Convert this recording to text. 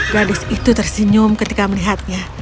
gadis itu tersenyum ketika melihatnya